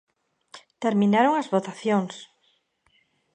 Terminaron as votacións.